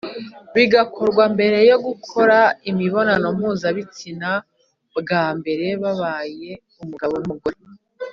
bigakorwa mbere yo gukora imibonano mpuzabitsina bwa mbere babaye umugabo n’umugore.